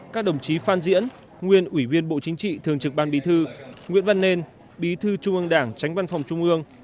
các đồng chí phan diễn nguyên ủy viên bộ chính trị thường trực ban bí thư nguyễn văn nên bí thư trung ương đảng tránh văn phòng trung ương